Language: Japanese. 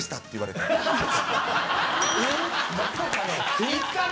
て・まさかの・